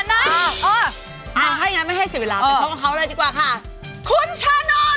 ถ้าอย่างนั้นไม่ให้เสียเวลาไปพบกับเขาเลยดีกว่าค่ะคุณชาโน